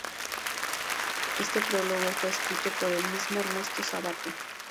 Este prólogo fue escrito por el mismo Ernesto Sabato.